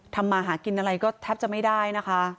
มาหากินอะไรก็แทบจะไม่ได้นะคะ